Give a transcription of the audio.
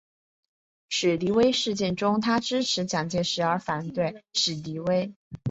史迪威事件中他支持蒋介石而反对史迪威。